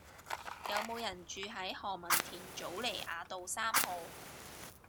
有無人住喺何文田棗梨雅道三號